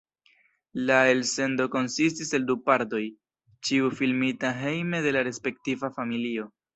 La elsendo konsistis el du partoj, ĉiu filmita hejme de la respektiva familio.